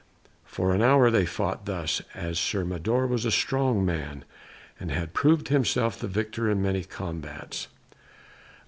For an hour they fought thus, as Sir Mador was a strong man, and had proved himself the victor in many combats.